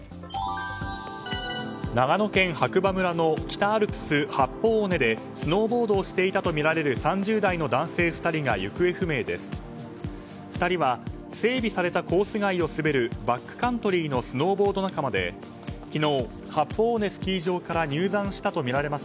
長野県白馬村の北アルプス八方尾根でスノーボードをしていたとみられる３０代の男性２人が行方不明です。